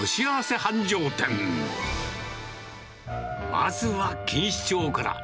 まずは錦糸町から。